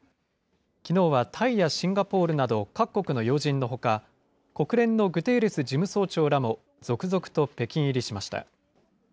きのうはタイやシンガポールなど、各国の要人のほか、国連のグテーレス事務総長らも続々と北京入りしました。